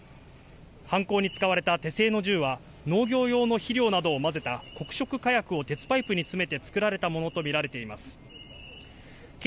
犯行に使われた手製の銃は農業用の肥料などを混ぜた黒色火薬を鉄パイプに詰めて作られたものとみられています。